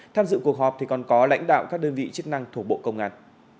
tham dự cuộc họp thì còn có lãnh đạo các đơn vị chức năng thuộc bộ công an